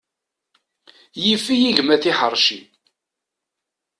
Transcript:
Yif-iyi gma tiḥerci.